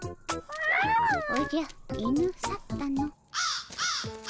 おじゃ犬去ったの。